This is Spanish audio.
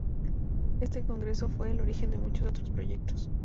Este congreso fue el origen de muchos otros proyectos.